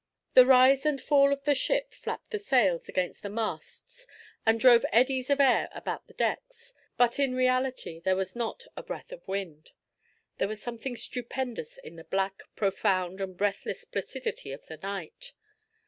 The rise and fall of the ship flapped the sails against the masts and drove eddies of air about the decks, but in reality there was not a breath of wind. There was something stupendous in the black, profound, and breathless placidity of the night.